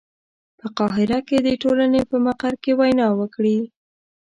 په قاهره کې د ټولنې په مقر کې وینا وکړي.